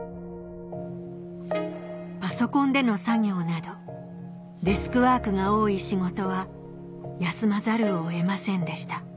パソコンでの作業などデスクワークが多い仕事は休まざるを得ませんでした